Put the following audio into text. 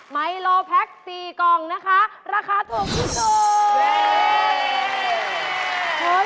ไมโลแพ็ค๔กล่องนะคะราคาถูกที่สุด